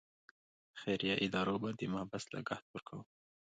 خیریه ادارو به د محبس لګښت ورکاوه.